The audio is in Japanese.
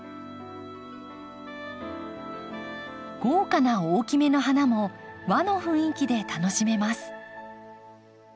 豪華な大きめの花も和の雰囲気で楽しめます。